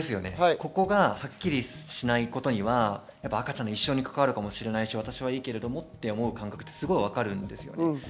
ここがはっきりしないことには赤ちゃんの一生に関わるかもしれないし、私はいいけれどもっていう感覚、すごく分かるんです。